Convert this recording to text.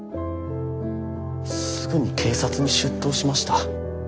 すぐに警察に出頭しました。